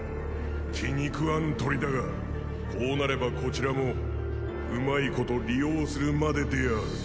気に食わん鳥だがこうなればこちらもうまいこと利用するまでである。